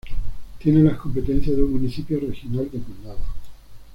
Tiene las competencias de un municipio regional de condado.